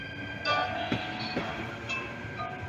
上洋大屋的历史年代为明代。